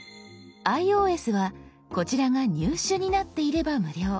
ｉＯＳはこちらが「入手」になっていれば無料。